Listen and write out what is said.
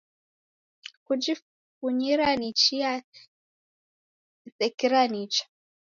Kujifunyira ni chia esikira nicha.